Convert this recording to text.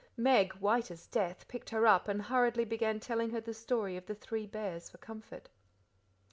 Meg, white as death, picked her up and hurriedly began telling her the story of the three bears for comfort.